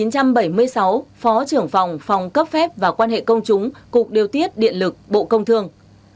năm một nghìn chín trăm bảy mươi sáu phó trưởng phòng phòng cấp phép và quan hệ công chúng cục điều tiết điện lực bộ công thương